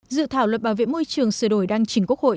dự thảo luật bảo vệ môi trường sửa đổi đang chính quốc hội